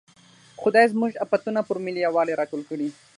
خدای زموږ افتونه پر ملي یوالي راټول کړي.